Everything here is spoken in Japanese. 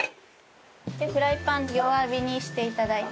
フライパン弱火にして頂いて。